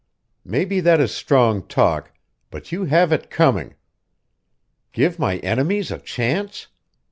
Maybe that is strong talk but you have it coming! Give my enemies a chance?